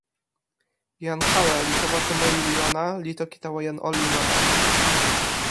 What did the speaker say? jan kala li tawa tomo lili ona, li toki tawa jan olin ona.